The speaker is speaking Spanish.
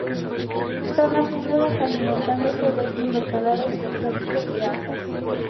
Son omnívoros, alimentándose de invertebrados bentónicos y de algas.